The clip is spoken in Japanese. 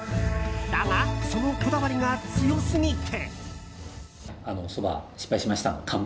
だが、そのこだわりが強すぎて。